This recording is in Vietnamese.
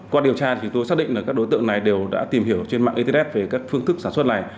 qua điều tra thì tôi xác định là các đối tượng này đều đã tìm hiểu trên mạng internet về các phương thức sản xuất này